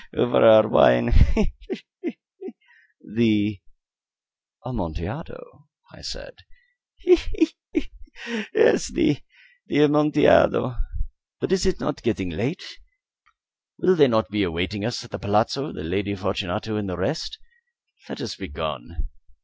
he! over our wine he! he! he!" "The Amontillado!" I said. "He! he! he! he! he! he! yes, the Amontillado. But is it not getting late? Will not they be awaiting us at the palazzo, the Lady Fortunato and the rest? Let us be gone."